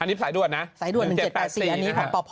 อันนี้สายด่วนนะ๑๗๘๔อันนี้พอพอพอ